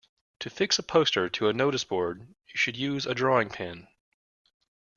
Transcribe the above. To fix a poster to a noticeboard you should use a drawing pin